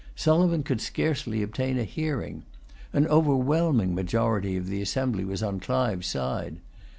Sulivan could scarcely obtain a hearing. An overwhelming majority of the assembly was on Clive's side.